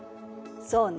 そうね。